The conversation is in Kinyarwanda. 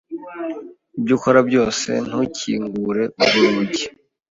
Ibyo ukora byose, ntukingure urwo rugi.